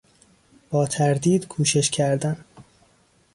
با تردید کوشش کردن